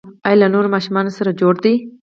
ایا له نورو ماشومانو سره جوړ دي؟